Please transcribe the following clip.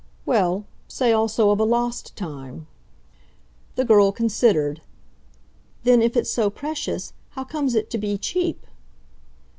"Well, say also of a lost time." The girl considered. "Then if it's so precious, how comes it to be cheap?"